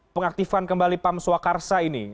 pengaktifan kembali pam swakarsa ini